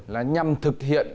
là nhằm thực hiện